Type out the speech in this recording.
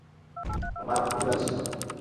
আমার ভুল হয়েছে।